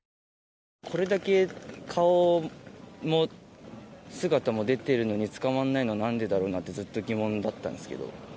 これだけ顔も姿も出てるのに、捕まらないのはなんでだろうなって、ずっと疑問だったんですけど。